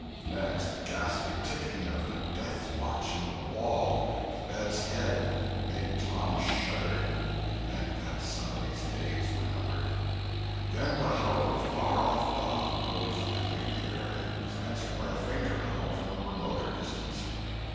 Next the ghastly ticking of a death watch in the wall at the bed's head made Tom shudder—it meant that somebody's days were numbered. Then the howl of a far off dog rose on the night air, and was answered by a fainter howl from a remoter distance.